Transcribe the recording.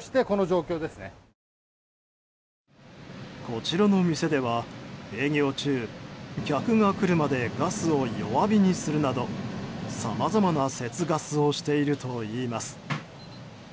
こちらの店では、営業中客が来るまでガスを弱火にするなどさまざまな節ガスをしているといいます。